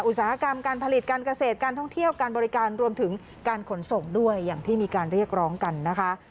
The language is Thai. อุตสาหกรรมการผลิตการเกษตรการท่องเที่ยวการบริการรวมถึงการขนส่งด้วยอย่างที่มีการเรียกร้องกันนะคะ